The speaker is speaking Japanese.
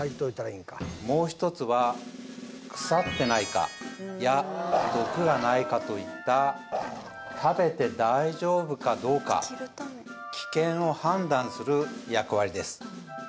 もう１つは腐ってないかや毒がないかといった食べて大丈夫かどうか危険を判断する役割です